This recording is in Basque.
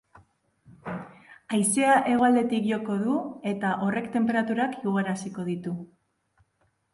Haizea hegoaldetik joko du, eta horrek tenperaturak igoaraziko ditu.